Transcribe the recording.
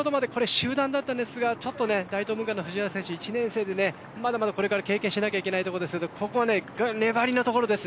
先ほどまで集団でしたが大東文化の藤原は１年生でまだまだこれから経験しなければいけないところですがここはねばりのところです。